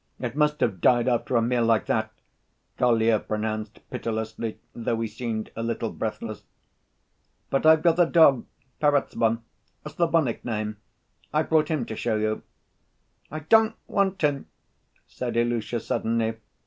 It must have died after a meal like that," Kolya pronounced pitilessly, though he seemed a little breathless. "But I've got a dog, Perezvon ... A Slavonic name.... I've brought him to show you." "I don't want him!" said Ilusha suddenly.